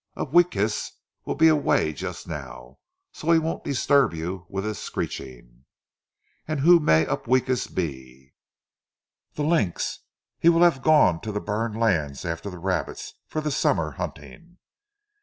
"Upweekis will be away just now, so he won't disturb you with his screeching." "And who may Upweekis be?" "The lynx! He will have gone to the burned lands after the rabbits for the summer hunting."